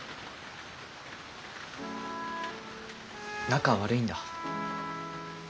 仲悪いんだ。